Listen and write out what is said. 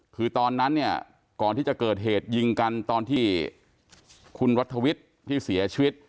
คือตอนนั้นเนี่ยก่อนที่จะเกิดเหตุยิงกันตอนที่คุณรัฐวิทย์ที่เสียชีวิต